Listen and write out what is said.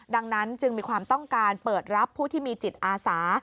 ดังนั้นจึงมีความต้องการเปิดรับผู้ที่มีจิตอาสา